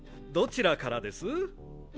どちらからです？